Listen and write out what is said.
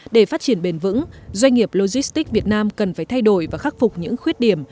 để phát triển bền vững doanh nghiệp logistics việt nam cần phải thay đổi và khắc phục những khuyết điểm